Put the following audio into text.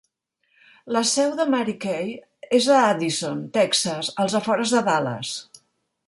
La seu de Mary Kay és a Addison, Texas, als afores de Dallas.